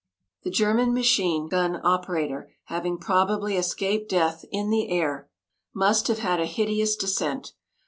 The German machine gun operator, having probably escaped death in the air, must have had a hideous descent.